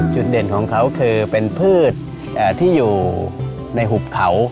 จุดเด่นของเขาคือเป็นพืชที่อยู่ในหุบเขา